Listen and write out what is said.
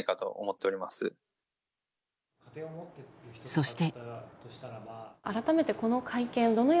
そして。